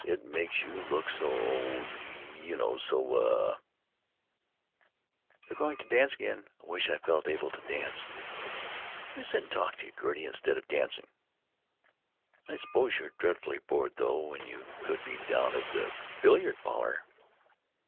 It makes you look so—oh, you know, so, uh——" "They're going to dance again. I wish I felt able to dance." "Let me sit and talk to you, Gertie, instead of dancing." "I suppose you're dreadfully bored, though, when you could be down at the billiard parlor?"